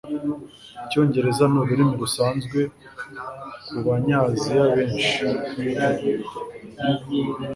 Icyongereza ni ururimi rusanzwe kubanya Aziya benshi.